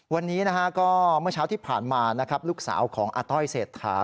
วันนี้ก็เมื่อเช้าที่ผ่านมาลูกสาวของอาต้อยเศรษฐา